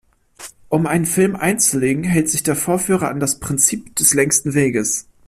Um einen Film einzulegen, hält sich der Vorführer an das „Prinzip des längsten Weges“.